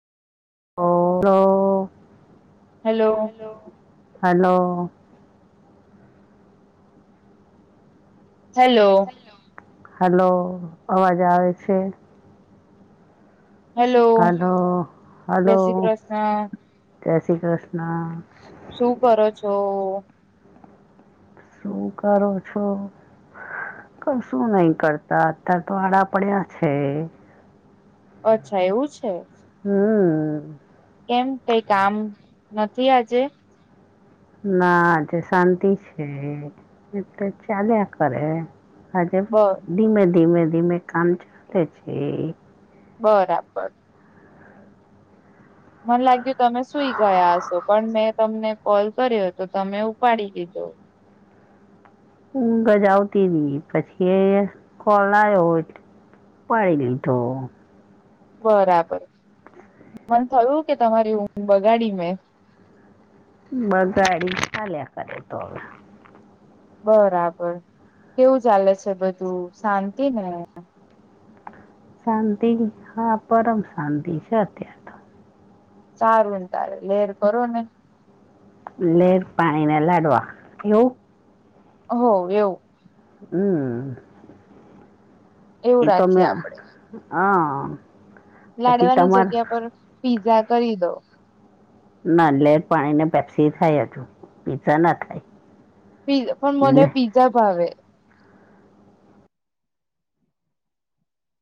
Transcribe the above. હા hello hello, hello. Hello. Hello, અવાજ આવે છે? હેલો હલો, જય હલો. શ્રી કૃષ્ણ જય શ્રી કૃષ્ણ. શું કરો છો? શું કરો છો? કશું નહી કરતા. અત્યારે તો આડા પડ્યા છે. અચ્છા એવું છે. હમ્મ. કેમ કઈ કામ નથી આજે? ના આજે શાંતિ છે. એતે ચાલ્યા કરે. આજે બ ધીમે ધીમે ધીમે કામ ચાલે છે. બરાબર. મને લાગ્યું તમે સુઈ ગયા હશો પણ મેં તમને કોલ કર્યો હતો તમે ઉપાડી લીધો. હુંગજ આવતી ની પછી કોલ આયો એટ પાડી લીધો. બરાબર મન થયું કે તમારી હું બગાડી મેં. બગાડી ચાલ્યા કરે તો હવે. બરાબર કેવું ચાલે છે બધું, શાંતિ ને? શાંતિ હા પરમ શાંતિ છે અત્યારે સારું ને તારે લેર કરો ને લેર પાણી ને લાડવા એવું હો એવું હમ એવું એતો મે રાખીએ આપડે હ લાડવાની જગ્યા પર પીઝા કરી દો ના લેટ પાણી ને પેપ્સી થાય હજુ પીઝા ના થાય પીઝ પણ મને લે પીઝા ભાવે